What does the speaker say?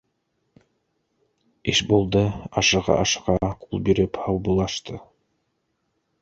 — Ишбулды ашыға-ашыға ҡул биреп һаубуллашты.